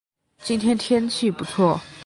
今天天气不错